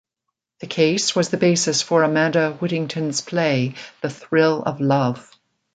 The case was the basis for Amanda Whittington's play "The Thrill of Love".